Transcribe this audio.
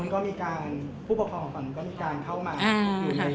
ฝั่งนู้นก็มีการผู้ประคองฝั่งนู้นก็มีการเข้ามา